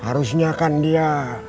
harusnya kan dia